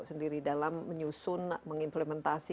sendiri dalam menyusun mengimplementasi